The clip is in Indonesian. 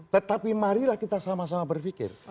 tetapi marilah kita sama sama berpikir